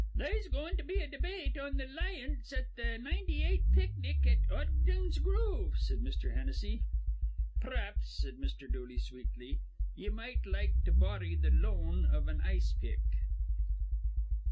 "They'se goin' to be a debate on th' 'lieance at th' ninety eight picnic at Ogden's gr rove," said Mr. Hennessy. "P'r'aps," said Mr. Dooley, sweetly, "ye might like to borry th' loan iv an ice pick."